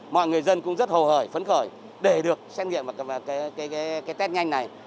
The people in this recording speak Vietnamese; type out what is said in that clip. mọi người dân cũng rất hầu hởi phấn khởi để được xét nghiệm và cái test nhanh này